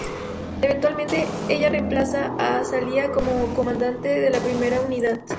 Eventualmente, ella reemplaza a Salia como comandante de la Primera Unidad.